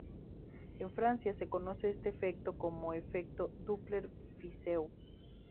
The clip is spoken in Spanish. En Francia se conoce este efecto como efecto Doppler-Fizeau.